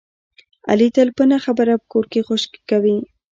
علي تل په نه خبره په کور کې خشکې کوي.